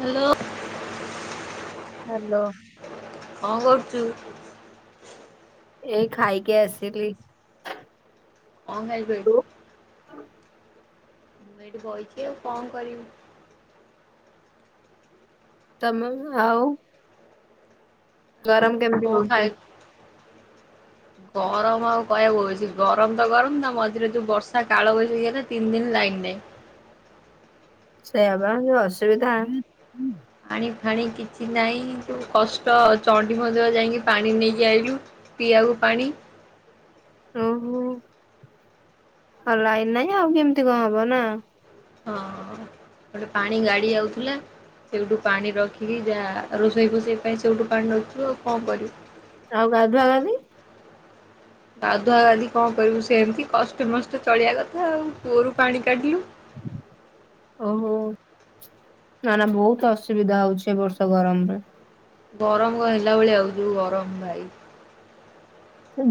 Hello. [inaudible] Hello. କଣ କରୁଛୁ? ଏଇ ଖାଇକି ଆସଲି ତୁ [unintelligible] ମୁଁ ଏଇଠି ବହିଛି, ଆଉ କଣ କରିବି? ତମ ଆଉ ଆଉ ଗରମ କେମିତି କଣ ହଉଛି? ଖାଇବ? ଗରମ ଆଉ କହିବାକୁଛି ଗରମ ତ ଗରମ, ତା ମଝିରେ ଯୋଉ ବର୍ଷା କାଳ ବଶ ତିନ ଦିନ ଲାଇନ ନାହିଁ। ସେଇଆ ବା, ଯୋଉ ଅସୁବିଧା। ପାଣି ଫାଣି କିଛି ନାହିଁ, ଯୋଉ କଷ୍ଟ! ଚଣ୍ଡି ମନ୍ଦିର ଯାଇକି ପାଣି ନେଇକି ଆଇଲୁ। ପିଆକୁ ପାଣି। ଓହୋ, ହ, ଲାଇନ ନାହିଁ। ଆଉ କେମିତି କଣ ହବ ନା? ହଁ, ଗୋଟେ ପାଣି ଗାଡି ଆଉଥିଲା। ସେଇଠୁ ପାଣି ରଖିକି ଯାହା ରୋଷେଇ ଫୋଷେଇ ପାଇଁ, ସେଇଠୁ ପାଣି ନେଉଥିବ। ଆଉ କଣ କରିବୁ? ଆଉ ଗାଧୁଆ ଗାଧି। ଗାଧୁଆ ଗାଧି କଣ କରିବୁ? ସେମିତି କଷ୍ଟେ ମଷ୍ଟେ ଚଳିବା କଥା। ଆଉ କୂଅରୁ ପାଣି କାଢିଲୁ। ଓହୋ। ନା ନା, ବହୁତ ଅସୁବିଧା ହଉଛି ଏ ବର୍ଷ ଗରମରେ। ଗରମ କଣ ହେଲା, ଭଳିଆ ହଉଛି ଯୋଉ ଗରମ, ଭାଇ!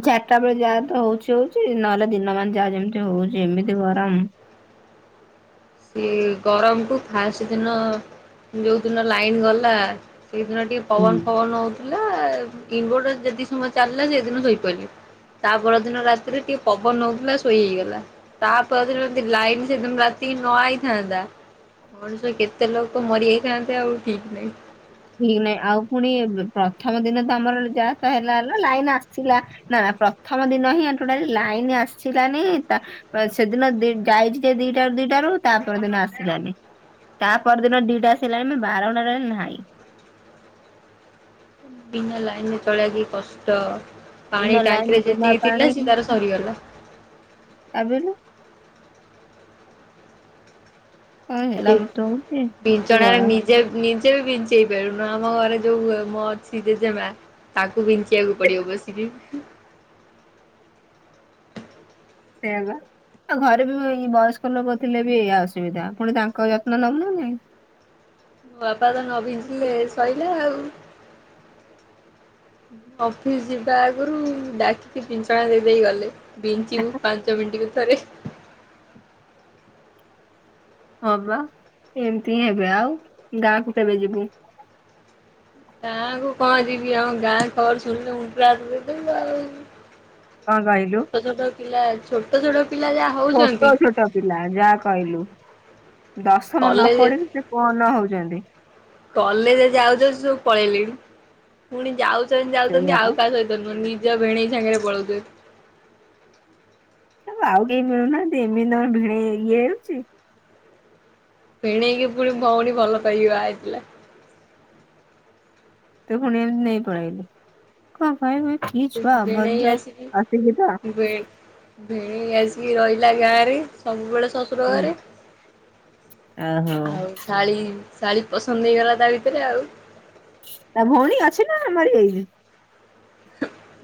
ଚାରିଟା ବେଳେ ଯାହା ତ ହଉଛି, ହଉଛି, ନହେଲେ ଦିନ ମାନ ଯାହା ଯେମିତି ହଉଛି, ଏମିତି ଗରମ। ସିଏ ଗରମକୁୁ ଫାଷ୍ଟ ଦିନ ଯୋଉ ଦିନ ଲାଇନ୍ ଗଲା ସେଇଦିନ ଟିକେ ହୁଁ ପବନ ଫବନ ହଉ ଥିଲା। ଇନ୍ଭୋଟରଟ ଯେତିକି ସମୟ ଚାଲିଲା ସେଇଦିନ ଶୋଇପଡିଲି। ତା ପରଦିନ ରାତିରେ ଟିକେ ପବନ ହଉଥିଲା ଶୋଇ ହେଇଗଲା। ତା ପରଦିନ ସେମିତି ଲାଇନ୍ ସେ ଦିନ ରାତି ତିକି ନ ଆଇଥାନ୍ତା ମଣିଷ କେତେ ଲୋକ ମରିଯାଇଥାନ୍ତେ ଆଉ ଠିକ୍ ନାହିଁ। ଠିକ୍ ନାଇଁ। ଆଉ ପୁଣି ପ୍ରଥମ ଦିନ ତ ଆମର ଯାହା ତା ହେଲା ହେଲା ଲାଇନ ଆସିଲା। ନା ପ୍ରଥମ ଦିନ ହିଁ ଟୋଟାଲି ଲାଇନ ଆସିଲାନି ତା ବାସ୍ ସେଦିନ ଦି ଯାଇଛି ଯେ ଦିଟାରୁ ଦିଟାରୁ ତାପ ଦିନ ଆସିଲାନି। ତା ପର ଦିନ ଦିଟା ଆସି ହେଲାଣି ବାର [inaudible] ଟାରେ ନାହିଁ। ବିନା ଲାଇନ୍ ରେ ଚଳିବା କି କଷ୍ଟ! ପାଣି ଦିନ ଲାଇନ ଟାଙ୍କିରେ ଦିନ ଯେତିକି ଥିଲା ପାଣି ସେ ତାର ସରିଗଲା। [unintelligible] କଣ ହେଲା ଆରେ ଗୋଟେ ହଉଛି ଏ ବିଞ୍ଚଣା ରେ ଗରମ ନି ଜେ ନିଜେ ବି ବିଞ୍ଚେଇ ପାରୁନୁ। ଆମ ଘରେ ଯୋଉ ମ ଅଛି ଜେଜେମା ତାଙ୍କୁ ବିଞ୍ଚିଆକୁ ପଡିବ ବସିକି। ସେଇଆ ବା। ଆଉ ଘରେ ବି ଏଇ ବୟସ୍କ ଲୋକ ଥିଲେ ବି ଏଇଆ ଅସୁବିଧା, ଫୁଣି ତାଙ୍କ ଯତ୍ନ ନେବୁ ନା ନାହିଁ। ମୋ ବାପା ତ ନ ବିଞ୍ଚିଲେ ସଇଲା ଆଉ। ଅଫିସ ଯିବା ଆଗରୁ ଡାକିକି ବିଞ୍ଚଣା ଦେଇ ଦେଇ ଗଲେ। ବିଞ୍ଚିବୁ ପାଞ୍ଚ ମିନ୍ଟକୁ ଥରେ। ହଁ ବା ଏମିତି ହିଁ ହେବେ। ଆଉ ଗାଁକୁ କେବେ ଯିବୁ? ଗାଁକୁ କଣ ଯିବି ଆଉ, ଗାଁ ଖବର ଶୁଣିଲେ ମୁଣ୍ଡରେ ହାତ ଦେଇଦବୁ ଆଉ। କଣ କହିଲୁ ଛୋଟ ଛୋଟ ପିଲା ଛୋଟ ଛୋଟ ପିଲା ଯାହା ହଉଛନ୍ତି ଛୋଟ ଛୋଟ ପିଲା ଯାହା କହିଲୁ। ଦଶମ ନ କଲେଜ ପଢିକି, ସେ କଣ ନ ହଉଛନ୍ତି। କଲେଜ ଯାଉ ଯାଉ ସେ ସବୁ ପଳେଇଲେଣି ପୁଣି ଯାଉ ଯାଉଚନ୍ତି ସେଇଆ ଯାଉଚନ୍ତି ପା ଆଉ କା ସହିତ ନୁହଁ, ନିଜ ଭିଣେଇ ସାଙ୍ଗରେ ପଳଉଛନ୍ତି। ତାଙ୍କୁ ଆଉ କେହି ମିଳୁନାହାନ୍ତି ଏମିତି ତାଙ୍କ ଭିଣେଇ ଇଏ ହେଉଛି। ଭିଣେଇକି ପୁଣି ଭଉଣୀ ଭଲ ପାଇକି ବାହା ହେଇଥିଲା। ତୁ ପୁଣି ଏମିତି ନେଇ ପଳେଇ ଅଇଲୁ। କଣ କହବି କି ଛୁଆ ଭିଣେଇ ଅଭଦ୍ର ଆସିକି ଅଶିକ୍ଷିତ। [unintelligible] ଭିଣେଇ ଆସିକି ରହିଲା ଗାଁରେ। ସବୁବେଳେ ଶ ଶଶୁର ହୁଁ। ଘରେ ଓହୋ ଆଉ ଶାଳୀ ଶାଳୀ ପସନ୍ଦ ହେଇଗଲା ତା ଭିତରେ ଆଉ। ତା ଭଉଣୀ ଅଛି ନା ମରି ଯାଇଛି?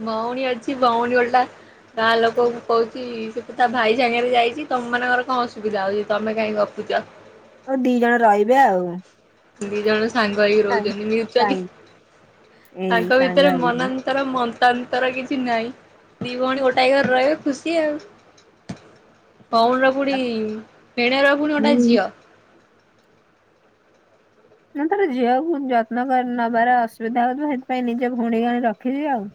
ଭଉଣୀ ଅଛି ଭଉଣୀ ଓଲଟା ଗାଁ ଲୋକଙ୍କୁ କହୁଛି, ସେ ତ ତା ଭାଇ ସାଙ୍ଗରେ ଯାଇଛି ତମ ମାନଙ୍କର କଣ ଅସୁବିଧା ହଉଛି? ତମେ କାଇଁ ଗପୁଚ? ହଁ ଦି ଜଣ ରହିବେ ଆଉ। ଦି ଜଣ ସାଙ୍ଗ ହେଇକି ସାଙ୍ଗ ରହୁଛନ୍ତି ମିଉଚିଆଲି, ସାଙ୍ଗ ଏଇ ତାଙ୍କ ସାଙ୍ଗ ଭିତରେ ହେଇକି ମନାନ୍ ତର ମତାନ୍ତର କିଛି ନାହିଁ ଦି ଭଉଣୀ ଗୋଟାଏ ଘରେ ରହିବେ ଖୁସି ଆଉ। ଭଉଣୀର ପୁଣି ଭିଣେର ପୁଣି ଗୋଟେ ହୁଁ। ଝିଅ। ନାଁ ତାର ଝିଅକୁ ଯତ୍ନ କରି ନବାର ଅସୁବିଧା ହଉଥିବ, ସେଥିପାଇଁ ନିଜେ ଭଉଣୀକୁ ଆଣି ରଖିଛି ଆଉ।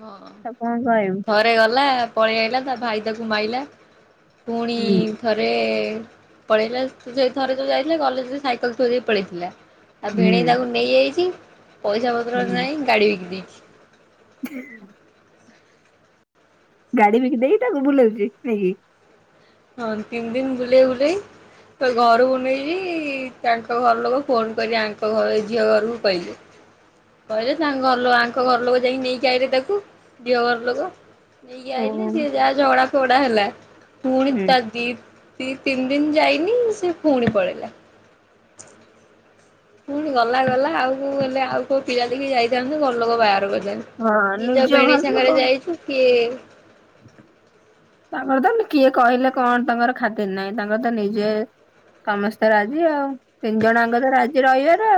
ହଁ। ତ କଣ କହିବୁ? ଥରେ ଗଲା ପଳେଇ ଆଇଲା ତା ଭାଇ ତାକୁ ମାଇଲା ପୁଣି ହୁଁ ଥରେ ପଳେଇଲା ସେ ଥର ଯଉ ଯାଇଥିଲା କଲେଜରେ ସାଇକଲ ଥୋଇଦେଇ ପଳେଇଥିଲା। ତା ଭିଣେଇ ହୁଁ ତାକୁ ନେଇଯାଇଛି ପଇସା ପତ୍ର ହୁଁ। ନାହିଁ ଗାଡ଼ି ବିକି ଦେଇଛି। [unintelligible] ଗାଡ଼ି ବିକି ଦେଇକି ତାକୁ ବୁଲଉଛି ନେଇକି। ହଁ ତିନି ଦିନ ବୁଲେଇ ବୁଲେଇ ତା ଘରକୁ ନେଇକି ତାଙ୍କ ଘର ଲୋକ ଫୋନ କରି ଆଙ୍କ ଘର ଝିଅ ଘରକୁ କହିଲେ। କହିଲେ ତାଙ୍କ ଘରଲୋକ ଆଙ୍କ ଘରଲୋକ ଯାଇକି ନେଇକି ଆଇଲେ ତାକୁ ଝିଅ ଘରଲୋକ। ନେଇକି ଓହୋ ଆଇଲେ ସିଏ ଯାହା ଝଗଡା ଫଗଡା ହେଲା। ପୁଣି ହୁଁ। ତା ଦି ଦି ତିନି ଦିନ ଯାଇନି ସେ ପୁଣି ପଳେଇଲା। ପୁଣି ଗଲା ଗଲା ଆଉ କଉ ହେଲେ ଆଉ କୋଉ ପିଲା ଦେଖି ଯାଇଥାନ୍ତୁ ଘରଲୋକ ବାହାଘର ହଁ କରିଥାନ୍ତେ। ନିଜ ଘର ଭିଣେଇ ସାଙ୍ଗରେ ଲୋକ ଯାଇଛୁ କିଏ ତାଙ୍କର ତ କିଏ କହିଲେ କଣ ତାଙ୍କର ଖାତିର ନାଇଁ ତାଙ୍କର ତ ନିଜେ ସମସ୍ତେ ରାଜି ଆଉ ତିନି ଜଣ ଯାଙ୍କ ତ ରାଜି ରହିବାର ଆଉ।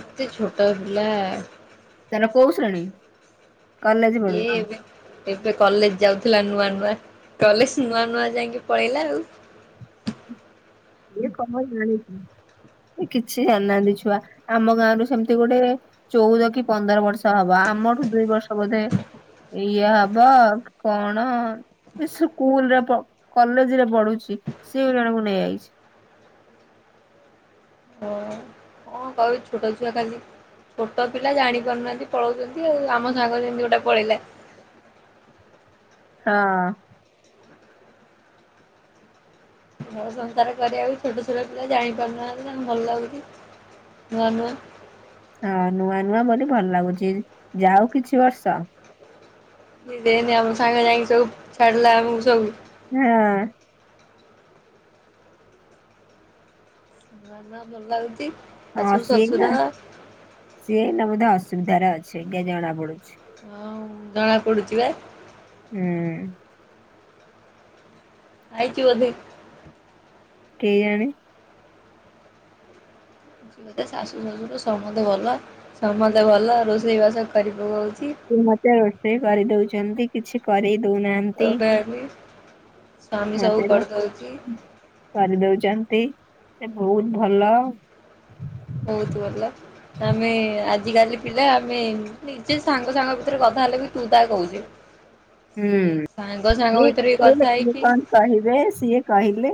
ଏତେ ଛୋଟ ପିଲା। ତାର କୋଉ ଶ୍ରେଣୀ? କଲେଜ ସିଏ ପଢୁଛି। ଏବେ ଏବେ କଲେଜ୍ ଯାଉଥିଲା ନୂଆ ନୂଆ କଲେଜ୍ ନୂଆ ନୂଆ ଯାଇକି ପଳେଇଲା ଆଉ। ଇଏ କଣ ଜାଣିଛି କିଛି ଜାଣିନାହାନ୍ତି ଛୁଆ ଆମ ଗାଁରୁ ସେମତି ଗୋଟେ ଚଉଦ କି ପନ୍ଦର ବର୍ଷ ହବ ଆମଠୁ ଦୁଇ ବର୍ଷ ବୋଧେ ଏଇୟା ହବ କଣ? ଏ ସ୍କୁଲ ରେ ପ କଲେଜ୍ ରେ ପଢୁଛି ସେ ଜଣକୁ ନେଇଯାଇଛି। ହଁ କଁ କହିବୁ ଛୋଟ ଛୁଆ ଖାଲି ଛୋଟ ପିଲା ଜାଣି ପାରୁନାହାନ୍ତି ପଳଉଛନ୍ତି ଆଉ ଆମ ସାଙ୍ଗ ଯେମିତି ଗୋଟେ ପଳେଇଲା। ହଁ। ଘର ସଂସାର କରିବାକୁ ଛୋଟ ଛୋଟ ପିଲା ଜାଣିପାରୁନାହାନ୍ତି ତାଙ୍କୁ ଭଲ ଲାଗୁଛି ନୂଆ ନୂଆ। ହଁ ନୂଆ ନୂଆ ବୋଲି ଭଲ ଲାଗୁଛି ଯାଉ କିଛି ବର୍ଷ। ଦେନି ଆମ ସାଙ୍ଗ ଯାଇକି ସବୁ ଛାଡିଲା ଆମକୁ ସବୁ। ହଁ। ନୂଆ ନୂଆ ଭଲ ଲାଗୁଛି। ଶାଶୁ ହଁ ସିଏ ଶ୍ୱଶୁର ଏଇନା ସିଏ ଏଇନା ବୋଧେ ଅସୁବିଧାରେ ଅଛି ଜଣା ପଡୁଛି। ହଁ ଜଣା ପଡୁଛି ବା। ହୁଁ। ଖାଇଚୁ ବୋଧେ? କେଇଜାଣି? ତା ଶାଶୁ ସଶୁର ସମସ୍ତେ ଭଲ ସମସ୍ତେ ଭଲ ରୋଷେଇ ବାସ କରିପକଉଛି। ତୁ ମତେ ରୋଷେଇ କରିଦଉଛନ୍ତି କିଛି କରେଇ ଦଉନାହାନ୍ତି। [unintelligible] ସ୍ୱାମୀ ମତେ ସବୁ ବା କରିଦଉଛି। କରିଦଉଛନ୍ତି ସେ ବହୁତ୍ ଭଲ। ବହୁତ୍ ଭଲ। ଆମେ ଆଜିକାଲି ପିଲା ଆମେ ନିଜେ ସାଙ୍ଗ ସାଙ୍ଗ ଭିତରେ କଥା ହେଲେ ବି ତୁ ତା କହୁଛୁ। ସିଏ ହୁଁ ସାଙ୍ଗ ସାଙ୍ଗ ଇଏ ଭିତରେ ବି କଥା ଇଏ ହେଇକି କଣ କହିବେ ସିଏ କହିଲେ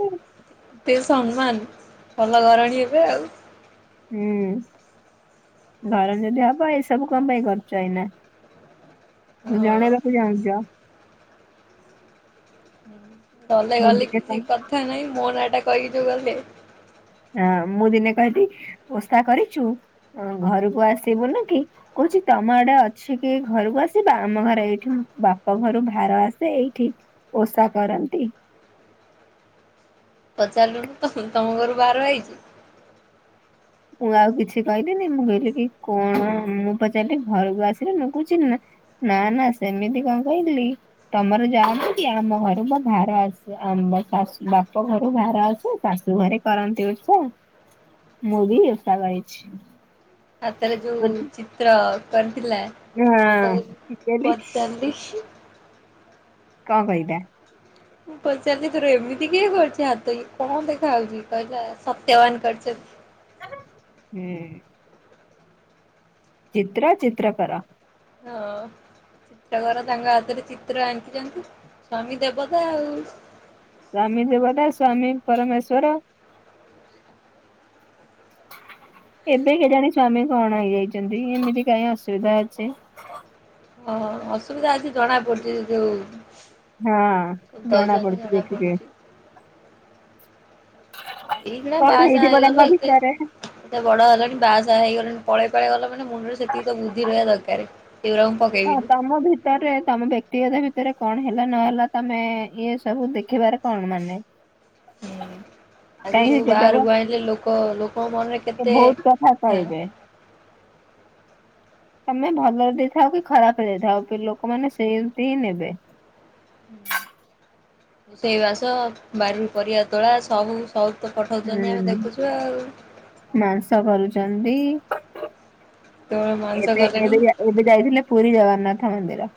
ଏତେ ସମ୍ମାନ ଭଲ ଘରଣୀ ଏବେ ଆଉ। ହୁଁ ଘରଣୀ ଯଦି ହବ ଏଇ ସବୁ କଣ ପାଇଁ କରୁଛ ଏଇନା? ହଁ। ଜଣେ [unintelligible] ଗଲେ ମୁଁ ଗଲେ ଦିନେ କିଛି କଥା ନହିଁ ମୋ ନା ଟା କହିକି ଯଉ ଗଲେ ହଁ ମୁଁ ଦିନେ କହିଦି ଓସା କରିଛୁ ଉ ଘରକୁ ଆସିବୁନୁ କି କହୁଛି ତମ ଆଡେ ଅଛି କି ଘରକୁ ଆସିବା ଆମ ଘର ଏଇଠି ବାପ ଘରୁ ଭାର ଆସେ ଏଇଠି ଓଷା କରନ୍ତି ପଚାରିଲୁନୁ ତ ତମ ଘରୁ ଭାର ଆଇଛି ମୁଁ ଆଉ କିଛି କହିଲିନି ମୁଁ କହିଲି କି କଣ ମୁଁ ପଚାରିଲି ଘରକୁ ଆସିଲି ମୁଁ କହୁଚି ନା ନା ନା ସେମିତି କଣ କହିଲି ତମର ଜାଆନ୍ତି କି ଆମ ଘରୁ ବା ଘାର ଆସେ ଆମ ଶାସୁ ବାପ ଘରୁ ଭାର ଆସୁ ଶାଶୁ ଘରେ କରନ୍ତି ଉର୍ଛ ମୁଁ ବି ଓଷା କରିଛି ହାତରେ ଯୋଉ ବୋଲି। ଚିତ୍ର କରିଥିଲା ହଁ ମୁ ତାକୁ ମୁଁ କହିଲି ପଚାରିଲି କଣ କହିଲା ମୁଁ ପଚାରିଲି ତୋର ଏମିତି କିଏ କରିଛି ହାତ ଇ କଣ ଦେଖା ହଉଛି କହିଲା ସତ୍ୟବାନ କରିଛନ୍ତି ହୁଁ ଚିତ୍ର ଚିତ୍ରକର ହଁ ଷ୍ଟକର ତାଙ୍କ ହାତରେ ଚିତ୍ର ଆଙ୍କିଛନ୍ତି ସ୍ୱାମୀ ଦେବତା ଆଉ ସ୍ୱାମୀ ଦେବତା ସ୍ଵାମୀ ପରମେଶ୍ଵର [unintelligible] ଏବେ କେଜାଣି ସ୍ଵାମୀ କଣ ହେଇଯାଇଛନ୍ତି ଏମିତି କାହିଁ ଅସୁବିଧା ଅଛି ହଁ ହଁ ଅସୁବିଧା ଅଛି ଜଣା ପଡୁଛି ଯୋଉ ହଁ। ଜଣା ଦଉଛନ୍ତି ପଡୁଛି ଜଣା ଦେଖିକି ପଡୁଛି ଏଇକ୍ଷୀଣା ବା କଣ ସା ଆ ହେଇଥିବ ହେଇଗଲେ ତାଙ୍କ ଏତେ ଭିତରେ ଏତେ ବଡ ହେଲାଣି ବାହାସାହା ହେଇଗଲାଣି ପଳେଇ ପଳେଇ ଗଲା ମାନେ ମନରେ ସେତିକି ତ ବୁଦ୍ଧି ରହିବା ଦରକାର ସେ ହଁ ତମ ଭି ତମ ବ୍ୟକ୍ତିଗତ ଭିତରେ କଣ ହେଲା ନହେଲା ତମେ ଇଏ ସବୁ ଦେଖିବାରେ କଣ ମାନେ? ହୁ ଆଗ କାହିଁକି ସବୁ କେତେକ ବାହହାରକୁ ଆଣିଲେ ଲୋକ ଲୋକଙ୍କ ମନରେ ସେ କେତେ ବହୁତ କଥା ଥାଏ। କହିବେ। ତମେ ଭଲରେ ଦେଇଥାଉ କି ଖରାପରେ ଦେଇଥାଉ ଲୋକମାନେ ସେମତି ହିଁ ନେବେ। ରୋଷେଇବାସ ବାରି ପରିବା ତୋଳା ସବୁ ସଉ ପଠଉଛନ୍ତି ଆମେ ହୁଁ ଦେଖୁଛୁ ଆଉ। ମାଂସ କରୁଛନ୍ତି ଏବେ କେବଳ ମଣିଷ କଲେଣି ଏବେ ଏବେ ଯାଇଥିଲେ ପୁରୀ ଜଗନ୍ନାଥ ମନ୍ଦିର।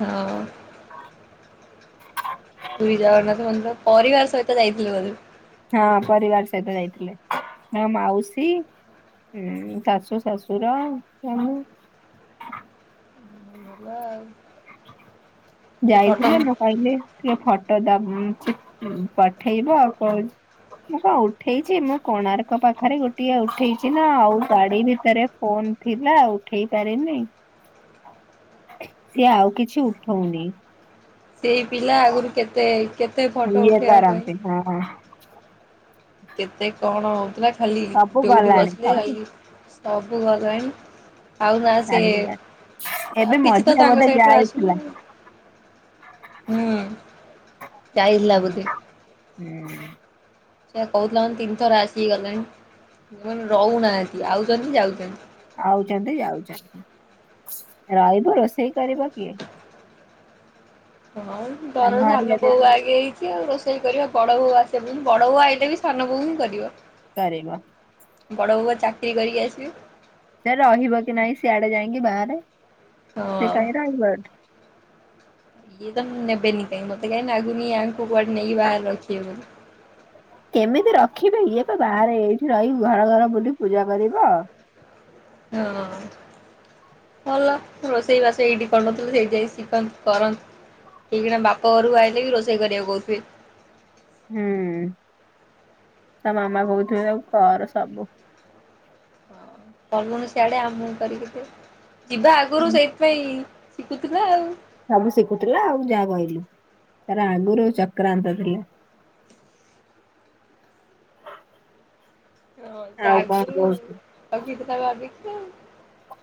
ହଁ। ପୁରୀ ଜଗନ୍ନାଥ ମନ୍ଦିର ପରିବାର ସହିତ ଯାଇଥିଲେ ବୋଧେ। ହଁ ପରିବାର ସହିତ ଯାଇଥିଲେ ହଁ ତାଙ୍କ ମାଉସୀ ହୁଁ ଶାଶୁ ଶାଶୁର ସବୁ [unintelligible] ସେ ଫଟୋ ଯାଇଥିଲେ ନା? କହିଲେ ଟିକେ ଫଟୋ ଉଁ ଚି ପଠେଇବ ଆଉ କହୁ ମୁଁ ପା ଉଠେଇଛି ମୁଁ କୋଣାର୍କ ପାଖରେ ଗୋଟିଏ ଉଠେଇଛି ନା ଆଉ ଗାଡି ଭିତରେ ଫୋନ ଥିଲା ଉଠେଇ ପାରିନି। ସିଏ ଆଉ କିଛି ଉଠଉନି। ସେଇ ପିଲା ଆଗରୁ କେତେ କେତେ ଫଟୋ ଇଏ ଉଠେଇବା ପାଇ। କରନ୍ତି ହଁ ହଁ କେତେ କଣ ହଉଥିଲା, ଖାଲି ସବୁ ଜଉଠି ଗଲାଣି ବସିଲେ ସବୁ ଖାଲି ସବୁ ଗଲାଣି। ଆଉ ନା ସେ, ଛାଡିଗଲାଣି ଏବେ ଆଉ କିଛି ତ ମଝିରେ ବୋଧେ ତାଙ୍କ ସାଇଟରୁ ଯାଇଥିଲା ଆସୁନି ଆଉ। ହୁଁ। ଯାଇଥିଲା ବୋଧେ। ହୁଁ। ସେଏ କହୁଥିଲା ମତେ ତିନି ଥର ଆସିି ଗଲାଣି। ମୁଁ କହିନି ରହୁନାହାନ୍ତି। ଆଉଛନ୍ତି ଯାଉଛନ୍ତି। ଆଉଛନ୍ତି ଯାଉଛନ୍ତି। ରହିବ ରୋଷେଇ କରିବ କିଏ? ହଁ ଧର ତାଙ୍କ ଘରେ ସାନ ଯଦି ବୋଉ ଆ ହେଇଛି ଆଉ ରୋଷେଇ କରିବା। ବଡ ବୋଉ ଆସିବ, ବଡ ବୋଉ ଆଇଲେ ବି ସାନ ବୋଉ ହିଁ କରିବ। କରିବ। ବଡ଼ ବୋଉ ବା ଚାକିରି କରିକି ଆସିବେ। ସେ ରହିବ କି ନାଇଁ ସିଆଡେ ଯାଇକିଁ ବାହାରେ। ସେ ହଁ। କାହିଁକି ରହିବ ଏଠି। ଇଏ ତ ନେବେନି କାଇଁ, ମତେ କାଇ ନାଗୁନି ଇଆଙ୍କୁ କୁଆଡେ ନେଇକି ବାରେ ରଖିବେ ବୋଲି। କେମିତି ରଖିବେ, ଇଏ ତ ବାହାରେ ଏଇଠି ରହିି ଘର ଘର ବୁଲି ପୂଜା କରିବ। ହଁ। ଭଲ ରୋଷେଇ ବାଷ ଏଇଠି କରୁନଥିଲୁ ସେଇଠି ଯାଇ ଶିଖନ୍ତୁ। କରନ୍ତୁ। ଏଇଖିଣା ବାପ ଘରକୁ ଆଇଲେ ବି, ରୋଷେଇ କରିବାକୁ କହୁଥିବେ। ହୁଁ। ତା ମାମା କହୁଥିବେ ତାକୁ କର ସବୁ। ଗଲୁନୁ ସିଆଡେ ଆମକୁ କରିକି ଦେ। ଯିବା ଆଗରୁ ହୁଁ ସେଇ ପାଇଁ ଶିକୁଥିଲା ଆଉ। ସବୁ ଶିଖୁଥିଲା ଆଉ ଯାହା କହିଲୁ। ତାର ଆଗରୁ ଚକ୍ରାନ୍ତ ଥିଲା। ହଁ ସେ ଆଉ କଣ ଆଗରୁ କହୁଛୁ ରଖିଥିଲା ଭାବିକ ଆଉ।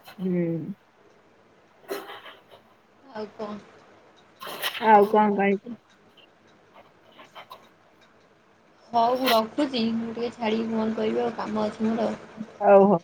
ହୁଁ। ଆଉ କଣ୍? ଆଉ କଣ କହିବି। ହଉ ମୁଁ ରଖୁଛି, ମୁଁ ଟିକେ ଛାଡ଼ିକି ଫୋନ କରିବି ଆଉ, କାମ ଅଛି ମୋର ଆଉ। ହଉ ହଉ।